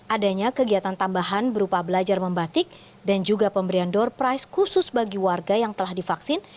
adanya kegiatan tambahan berupa belajar membatik dan juga pemberian door price khusus bagi warga yang telah divaksin